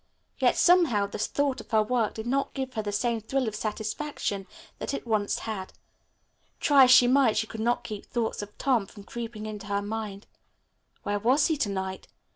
Yet, somehow, the thought of her work did not give her the same thrill of satisfaction that it once had. Try as she might she could not keep thoughts of Tom from creeping into her mind. Where was he to night?